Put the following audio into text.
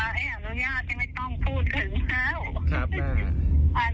ไอ้อนุญาตให้ไม่ต้องพูดถึงแล้ว